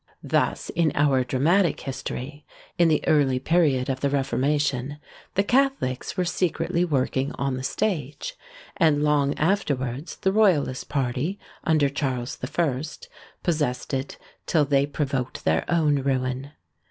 Thus in our dramatic history, in the early period of the Reformation, the Catholics were secretly working on the stage; and long afterwards the royalist party, under Charles the First, possessed it till they provoked their own ruin.